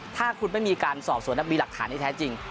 ถ้าคุณไม่มีการสอบสวนมีหลักฐานที่แท้จริง